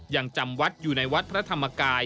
ยังจำวัดอยู่ในวัดพระธรรมกาย